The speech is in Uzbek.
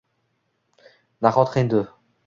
Nahot, hindu —